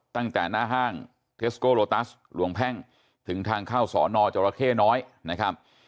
ตั้งแต่หน้าห้างเทสโกโลตัสหลวงแพ่งถึงทางเข้าสอนอจรเข้น้อยนะครับ